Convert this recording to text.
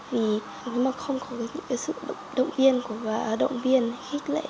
thì nếu không có những sự động viên khích lệ